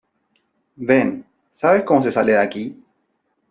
Ven .¿ sabes cómo se sale de aquí ?